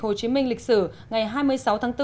hồ chí minh lịch sử ngày hai mươi sáu tháng bốn